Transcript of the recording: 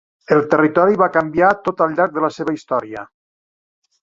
El territori va canviar tot al llarg de la seva història.